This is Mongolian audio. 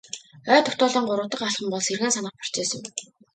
Ой тогтоолтын гурав дахь алхам бол сэргээн санах процесс юм.